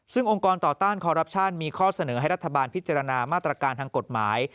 ซึ่งองค์กรต่อต้านคอรัปชั่นมีข้อเสนอให้รัฐบาลพิจารณามาตรการทางกฎหมาย